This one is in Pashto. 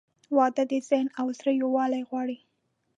• واده د ذهن او زړه یووالی غواړي.